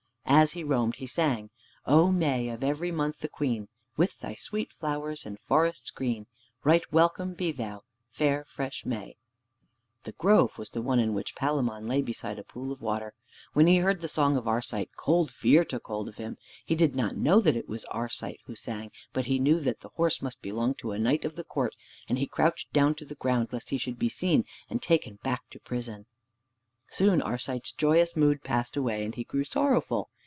As he roamed he sang "O May, of every month the queen, With thy sweet flowers and forests green, Right welcome be thou, fair fresh May." The grove was the one in which Palamon lay beside a pool of water. When he heard the song of Arcite, cold fear took hold on him. He did not know that it was Arcite who sang, but he knew that the horse must belong to a knight of the court, and he crouched down to the ground lest he should be seen and taken back to prison. Soon Arcite's joyous mood passed away, and he grew sorrowful.